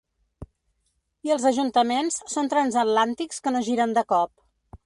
I els ajuntaments són transatlàntics que no giren de cop.